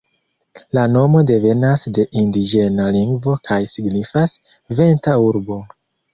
La nomo devenas de indiĝena lingvo kaj signifas ""venta urbo"".